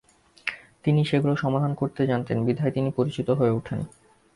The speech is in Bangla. তিনি সেগুলো সমাধান করতে জানতেন বিধায় তিনি পরিচিত হয়ে উঠেন।